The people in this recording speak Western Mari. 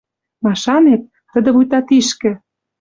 Машанет, тӹдӹ вуйта тишкӹ